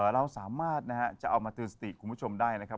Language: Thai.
เราสามารถนะฮะจะเอามาเตือนสติคุณผู้ชมได้นะครับ